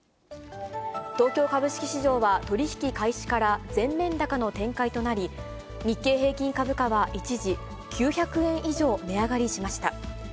東京株式市場は取り引き開始から全面高の展開となり、日経平均株価は一時９００円以上、値上がりしました。